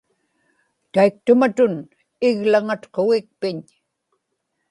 taiktumatun iglaŋatqugikpiñ